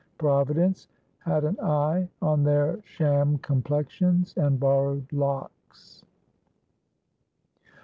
Providence had an eye on their sham complexions and borrowed locks.